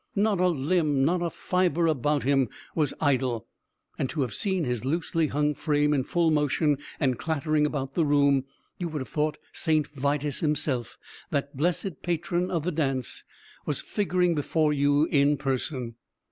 Not a limb, not a fiber about him was idle; and to have seen his loosely hung frame in full motion, and clattering about the room, you would have thought St. Vitus himself, that blessed patron of the dance, was figuring before you in person.